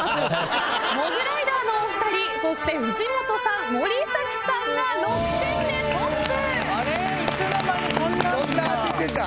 モグライダーのお二人そして藤本さん森崎さんが６点でトップ！